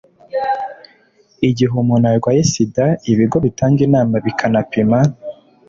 igihe umuntu arwaye sida ibigo bitanga inama bikanapima,